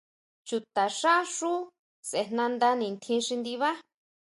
Chutaxá xú sʼejnanda nitjín xi ndibá.